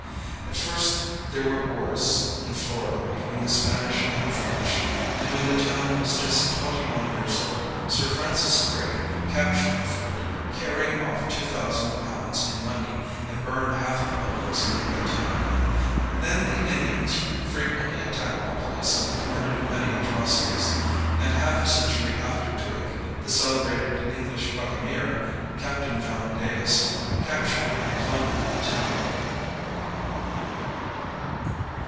At first there were wars in Florida between the Spanish and the French; and when the town was just twenty one years old, Sir Francis Drake captured the fort, carrying off two thousand pounds in money, and burned half the buildings in the town. Then the Indians frequently attacked the place and committed many atrocities; and, half a[Pg 110] century after Drake, the celebrated English buccaneer Captain John Davis captured and plundered the town.